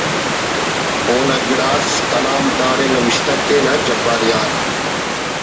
اونا گڑاس کلام داڑے نوشتہ کینہ جبار یار